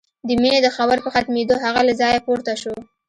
د مينې د خبرو په ختمېدو هغه له ځايه پورته شو.